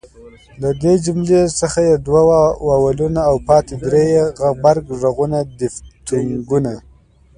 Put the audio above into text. له دې جملې څخه ئې دوه واولونه او پاته درې ئې غبرګ ږغونه دیفتونګونه